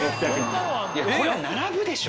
これは並ぶでしょ。